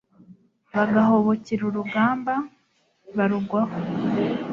bagahubukira urugamba, barugwaho